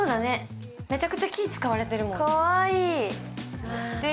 めちゃくちゃ木使われてるもん。